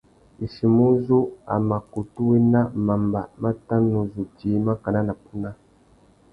Ichimuzú, a mà kutu wena mamba má tà nu zu djï makana na puna.